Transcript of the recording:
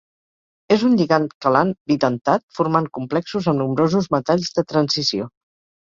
És un lligand quelant bidentat, formant complexos amb nombrosos metalls de transició.